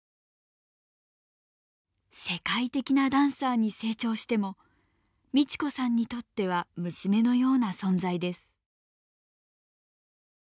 世界的なダンサーに成長しても美智子さんにとっては娘のような存在です。